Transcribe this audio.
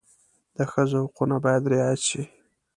د ښځو حقونه باید رعایت شي.